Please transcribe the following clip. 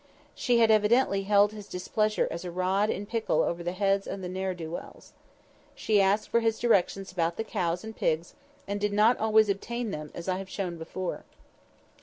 She had evidently held his displeasure as a rod in pickle over the heads of all the ne'er do wells. She asked for his directions about the cows and pigs; and did not always obtain them, as I have shown before.